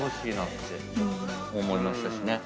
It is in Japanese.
思いましたしね。